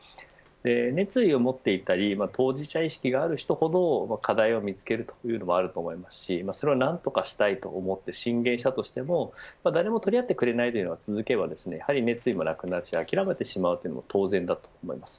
熱意を持っていたり当事者意識がある人ほど課題を見つけるというのもあると思いますしそれを何とかしたいと思って進言したとしても誰も取り合ってくれないということが続けば熱意もなくなって諦めてしまうのも当然だと思います。